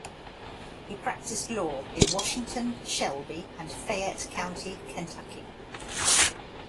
He practiced law in Washington, Shelby, and Fayette County, Kentucky.